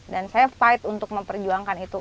dan saya fight untuk memperjuangkan itu